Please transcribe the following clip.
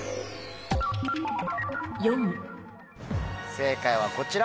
正解はこちら。